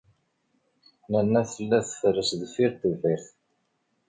Nanna tella tferres deffir tebḥirt.